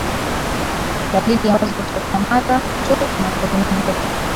Dalili ambazo hutokea mara tu anapotumia Heroin